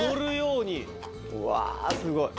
うわすごい。